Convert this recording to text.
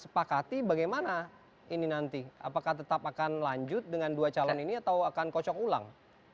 sepakati bagaimana ini nanti apakah tetap akan lanjut dengan dua calon ini atau akan kocok ulang